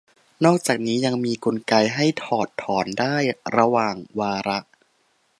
นอกจากนี้ยังมีกลไกให้ถอดถอนได้ระหว่างวาระ